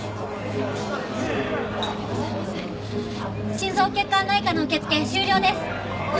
心臓血管内科の受付終了です。